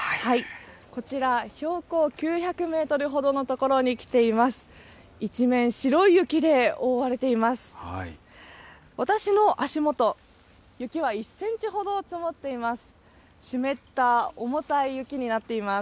こちら、標高９００メートルほどの所に来ています。